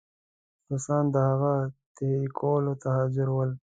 روسان د هغه تحریکولو ته حاضر ول.